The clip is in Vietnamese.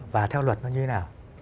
và theo luật nó như thế nào